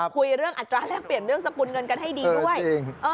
คุยเรื่องอัตราแลกเปลี่ยนเรื่องสกุลเงินกันให้ดีด้วย